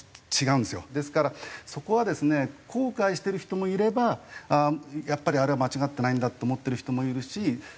ですからそこはですね後悔してる人もいればやっぱりあれは間違ってないんだって思ってる人もいるし。